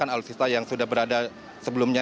alutsista yang sudah berada sebelumnya